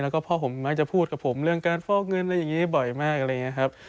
แล้วก็เพราะผมมักจะพูดกับผมเรื่องการฟอกเงินอะไรอย่างนี้บ่อยมาก